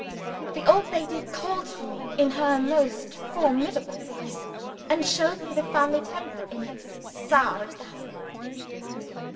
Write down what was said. The old lady called for me in her most formidable voice, and showed me the family temper in its sourest aspect.